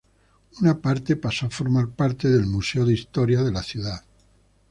Una parte pasó a formar parte del Museo de Historia de la Ciudad.